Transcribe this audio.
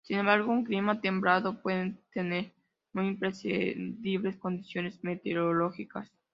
Sin embargo, un clima templado pueden tener muy impredecibles condiciones meteorológicas.